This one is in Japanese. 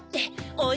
・おい！